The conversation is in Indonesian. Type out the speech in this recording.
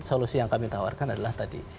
solusi yang kami tawarkan adalah tadi